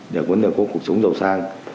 để có cuộc sống giàu sang